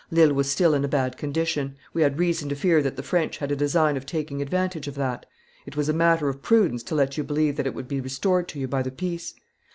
Lille was still in a bad condition; we had reason to fear that the French had a design of taking advantage of that; it was a matter of prudence to let you believe that it would be restored to you by the peace.